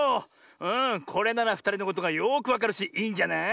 うんこれならふたりのことがよくわかるしいいんじゃない？